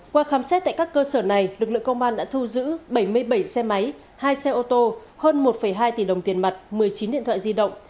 qua khám xét tại các cơ sở này lực lượng công an đã thu giữ bảy mươi bảy xe máy hai xe ô tô hơn một hai tỷ đồng tiền mặt một mươi chín điện thoại di động